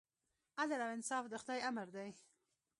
عدل او انصاف د خدای امر دی.